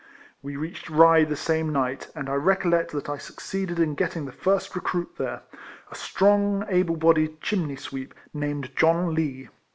We reached Rye the same night, and I recollect that I succeeded in getting the first recruit there, a strong, able bodied chimney sweep, named John Lee.